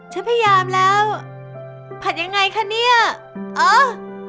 ฉันพยายามแล้วผัดยังไงคะเนี่ยอ๋อ